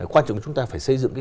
quan trọng là chúng ta phải xây dựng